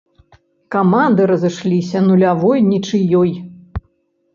Каманды разышліся нулявой нічыёй.